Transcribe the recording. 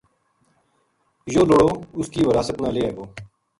یوہ لُڑو اس کی وراثت نا لیے گو